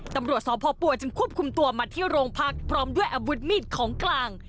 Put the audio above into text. ตำรวจสพปัวจึงควบคุมตัวมาที่โรงพักพร้อมด้วยอาวุธมีดของกลาง